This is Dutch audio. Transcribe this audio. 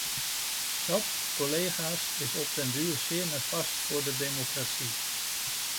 Dat, collega's, is op den duur zeer nefast voor de democratie.